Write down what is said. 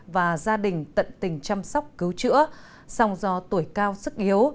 và gia đình tận tình chăm sóc cứu chữa song do tuổi cao sức yếu